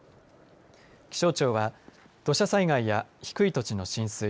気象庁は土砂災害や低い土地の浸水